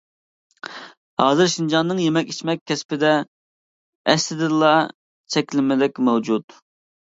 ھازىر شىنجاڭنىڭ يېمەك-ئىچمەك كەسپىدە ئەسلىدىنلا چەكلىمىلىك مەۋجۇت.